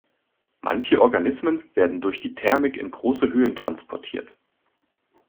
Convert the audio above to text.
Manche Organismen werden durch die Thermik in große Höhen transportiert.